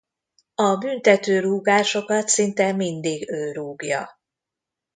A büntető rúgásokat szinte mindig ő rúgja.